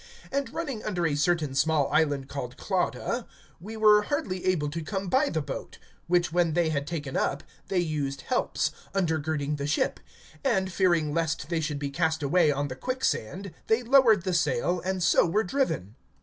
(16)And running under a certain small island called Clauda, we were hardly able to come by the boat; (17)which when they had taken up, they used helps, undergirding the ship; and, fearing lest they should be cast away on the quicksand, they lowered the sail, and so were driven.